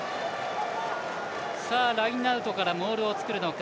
ラインアウトからモールを作るのか。